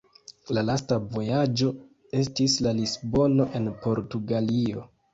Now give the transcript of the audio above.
La lasta vojaĝo estis al Lisbono en Portugalio.